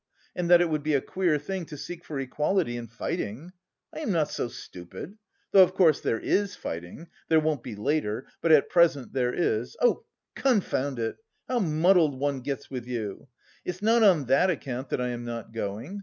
and that it would be a queer thing to seek for equality in fighting. I am not so stupid... though, of course, there is fighting... there won't be later, but at present there is... confound it! How muddled one gets with you! It's not on that account that I am not going.